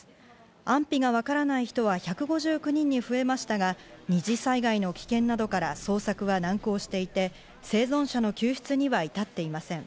安否がわからない人は１５９人に増えましたが、二次災害の危険などから捜索は難航していて、生存者の救出には至っていません。